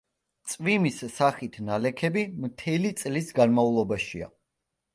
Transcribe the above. წვიმის სახით ნალექები მთელი წლის განმავლობაშია.